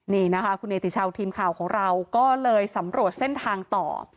นี่นะคะคุณเนติชาวทีมข่าวของเราก็เลยสำรวจเส้นทางต่อ